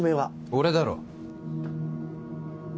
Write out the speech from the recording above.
俺だろ？